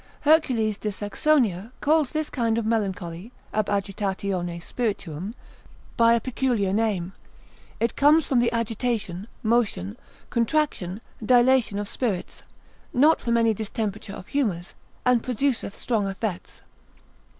Hercules de Saxonia calls this kind of melancholy (ab agitatione spirituum) by a peculiar name, it comes from the agitation, motion, contraction, dilatation of spirits, not from any distemperature of humours, and produceth strong effects.